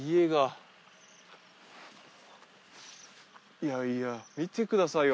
いやいや見てくださいよ